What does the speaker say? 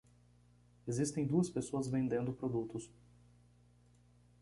Existem duas pessoas vendendo produtos